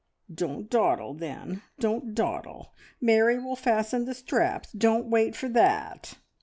"Don't dawdle, then don't dawdle! Mary will fasten the straps don't wait for that."